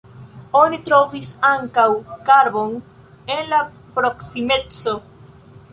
Oni trovis ankaŭ karbon en la proksimeco.